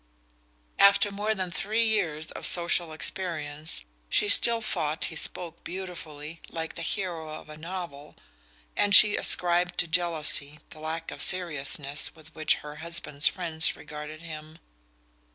After more than three years of social experience she still thought he "spoke beautifully," like the hero of a novel, and she ascribed to jealousy the lack of seriousness with which her husband's friends regarded him.